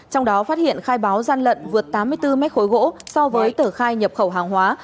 trong đó phát hiện khai báo gian lận vượt tám mươi bốn mét khối gỗ so với tờ khai nhập khẩu hàng hóa